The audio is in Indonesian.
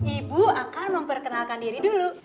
ibu akan memperkenalkan diri dulu